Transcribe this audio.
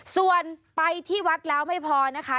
ส่วนไปที่วัดแล้วไม่พอนะคะ